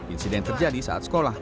insiden terjadi saat sekolah